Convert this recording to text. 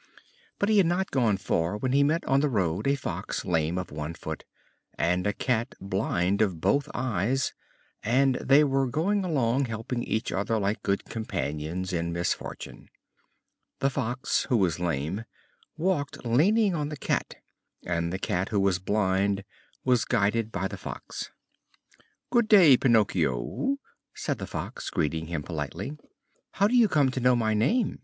But he had not gone far when he met on the road a Fox lame of one foot, and a Cat blind of both eyes, and they were going along helping each other like good companions in misfortune. The Fox, who was lame, walked leaning on the Cat; and the Cat, who was blind, was guided by the Fox. "Good day, Pinocchio," said the Fox, greeting him politely. "How do you come to know my name?"